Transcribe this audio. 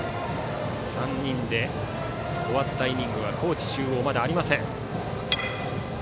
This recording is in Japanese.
３人で終わったイニングは高知中央、まだありません。